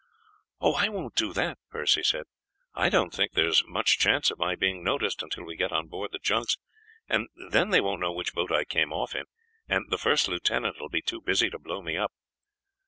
"I won't do that," Percy said. "I don't think there is much chance of my being noticed until we get on board the junks, and then they won't know which boat I came off in, and the first lieutenant will be too busy to blow me up.